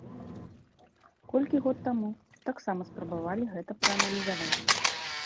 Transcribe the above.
Колькі год таму таксама спрабавалі гэта прааналізаваць.